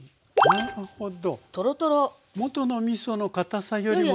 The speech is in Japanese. なるほど。